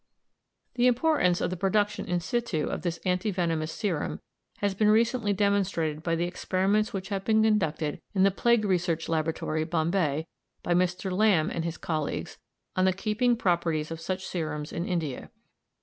The importance of the production in situ of this anti venomous serum has been recently demonstrated by the experiments which have been conducted in the Plague Research Laboratory, Bombay, by Mr. Lamb and his colleagues, on the keeping properties of such serums in India.